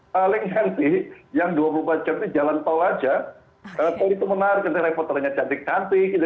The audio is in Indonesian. paling nanti yang dua puluh empat jam ini jalan tol saja tol itu menarik dan telepon telanya cantik cantik